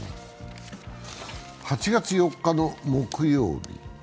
８月４日の木曜日。